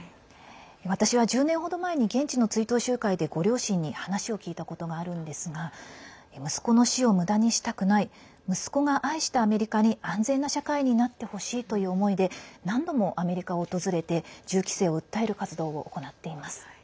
私は１０年程前に現地の追悼集会でご両親に話を聞いたことがあるんですが息子の死を、むだにしたくない息子が愛したアメリカに安全な社会になってほしいという思いで何度もアメリカを訪れて銃規制を訴える活動を行っています。